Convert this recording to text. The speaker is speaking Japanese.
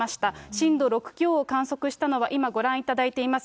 震度６強を観測したのは今ご覧いただいています